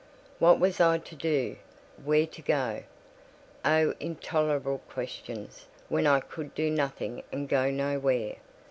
What was I to do? Where to go? Oh, intolerable questions, when I could do nothing and go nowhere!